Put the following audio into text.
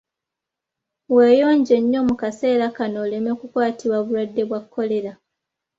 Weeyonje nnyo mu kaseera kano oleme kukwatibwa bulwadde bwa kolera